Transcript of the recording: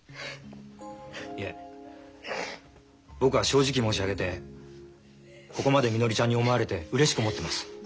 いえ僕は正直申し上げてここまでみのりちゃんに思われてうれしく思ってます。